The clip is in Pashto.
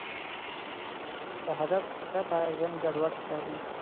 د هدف پرته ژوند ګډوډ ښکاري.